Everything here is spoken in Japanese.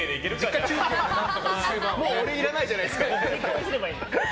もう俺いらないじゃないですか。